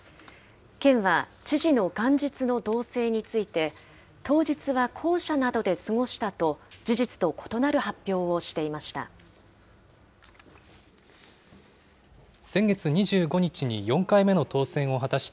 県は知事の元日の動静について、当日は公舎などで過ごしたと、事実と異なる発表をしていました。